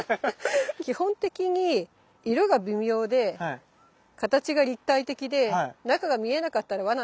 基本的に色が微妙で形が立体的で中が見えなかったらワナなんですよ。